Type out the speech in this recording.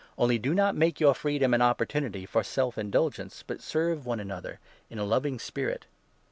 Only do not make your free Freedom, dom an opportunity for self indulgence, but serve one another in a loving spirit.